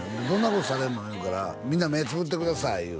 どんなことされんの言うから「みんな目つぶってください」